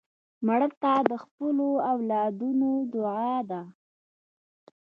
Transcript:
مړه ته د خپلو اولادونو دعا ده